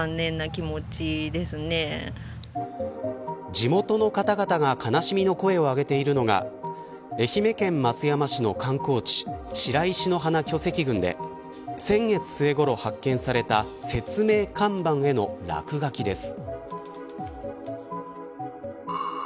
地元の方々が悲しみの声を上げているのが愛媛県松山市の観光地白石の鼻巨石群で先月末ごろ発見された説明看板への落書きです。